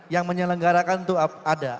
yang menyelenggarakan tuh ada